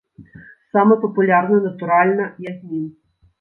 Самы папулярны, натуральна, язмін.